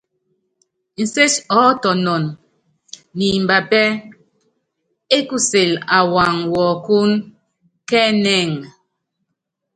Inséti ɔ́tɔnɔn ni imbapɛ́ ɛ́ kusɛ́l awaaŋ wɔɔkɔ́n kɛ́ ɛnɛ́ŋ.